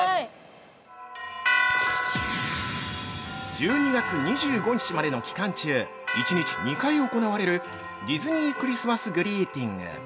◆１２月２５日までの期間中、１日２回行われる「ディズニー・クリスマス・グリーティング」。